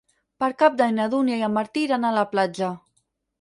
Per Cap d'Any na Dúnia i en Martí iran a la platja.